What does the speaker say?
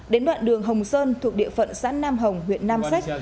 đến đoạn đường hồng sơn thuộc địa phận xã nam hồng huyện nam sách